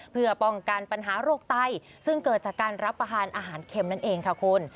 เพื่อป้องกันปัญหาโรคไตซึ่งเกิดจากการรับประทานอาหารเข็มนั่นเองค่ะคุณ